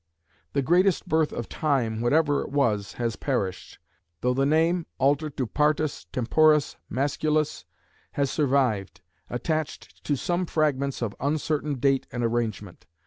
"The Greatest Birth of Time," whatever it was, has perished, though the name, altered to "Partus Temporis Masculus" has survived, attached to some fragments of uncertain date and arrangement.